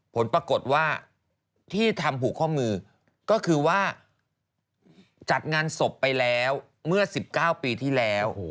ผลปรากฏว่าที่ทำผูกข้อมือก็คือว่าจัดงานศพไปแล้วเมื่อ๑๙ปีที่แล้ว